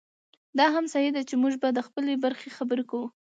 دا هم صحي ده چې موږ به د خپلې برخې خبره کوو.